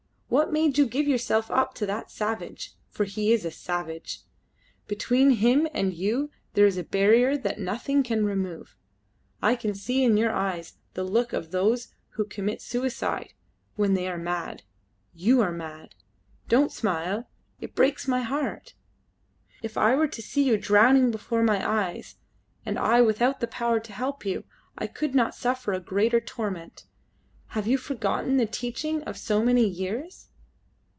What made you give yourself up to that savage? For he is a savage. Between him and you there is a barrier that nothing can remove. I can see in your eyes the look of those who commit suicide when they are mad. You are mad. Don't smile. It breaks my heart. If I were to see you drowning before my eyes, and I without the power to help you, I could not suffer a greater torment. Have you forgotten the teaching of so many years?"